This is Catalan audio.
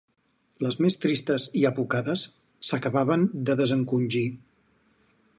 Les més tristes i apocades s'acabaven de desencongir